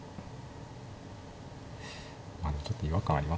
まあでもちょっと違和感ありますね